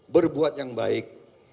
berbuat yang baik